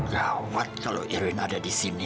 gawat kalau irwin ada di sini